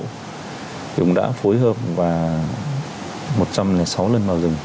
thì cũng đã phối hợp và một trăm linh sáu lần vào rừng